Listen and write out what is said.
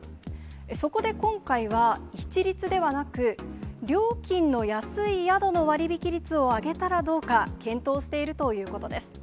そこで今回は、一律ではなく、料金の安い宿の割引率を上げたらどうか検討しているということです。